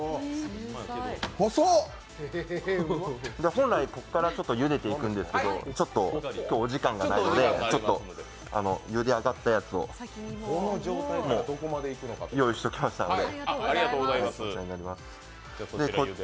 本来ここからゆでていくんですけどお時間がないのでゆで上がったやつを用意しておきましたので。